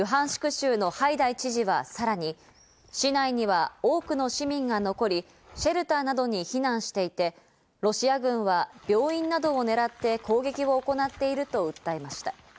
州のハイダイ知事はさらに、市内には多くの市民が残り、シェルターなどに避難していて、ロシア軍は病院などを狙って攻撃を行っていると訴えました。